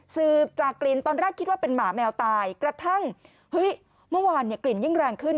สืบจากกลิ่นตอนแรกคิดว่าเป็นหมาแมวตายกระทั่งเฮ้ยเมื่อวานเนี่ยกลิ่นยิ่งแรงขึ้น